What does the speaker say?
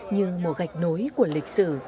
như một gạch nối của lịch sử